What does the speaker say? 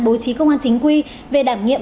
bố trí công an chính quy về đảm nhiệm